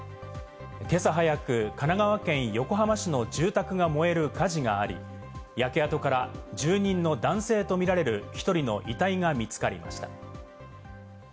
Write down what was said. けさ早く、神奈川県横浜市の住宅が燃える火事があり、焼け跡から住人の男性とみられる１人の遺体が見つかりました。